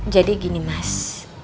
jadi gini mas